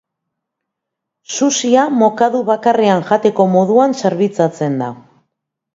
Sushi-a mokadu bakarrean jateko moduan zerbitzatzen da.